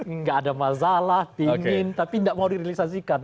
enggak ada masalah pingin tapi enggak mau dirilisasikan